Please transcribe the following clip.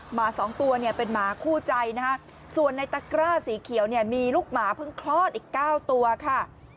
หมาสองตัวเนี่ยเป็นหมาคู่ใจนะฮะส่วนในตะกร้าสีเขียวเนี่ยมีลูกหมาเพิ่งคลอดอีก๙ตัวค่ะ